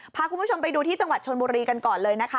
พาคุณผู้ชมไปดูที่จังหวัดชนบุรีกันก่อนเลยนะคะ